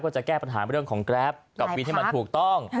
จะแก้ปัญหาเรื่องของแกรปกับวินให้มันถูกต้อง